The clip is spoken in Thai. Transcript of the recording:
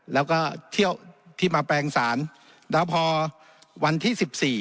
แล้วก็ที่มาแปลงศาลพอวันที่๑๔